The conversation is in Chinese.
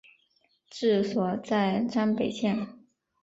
治所在张北县。